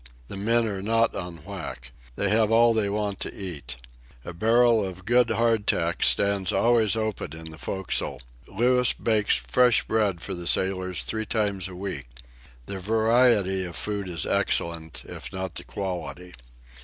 The men are not on whack. They have all they want to eat. A barrel of good hardtack stands always open in the forecastle. Louis bakes fresh bread for the sailors three times a week. The variety of food is excellent, if not the quality.